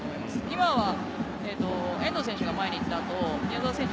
今は遠藤選手が前に行った後、宮澤選手